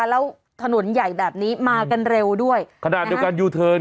แล้วถนนใหญ่แบบนี้มากันเร็วด้วยขนาดเดียวกันยูเทิร์น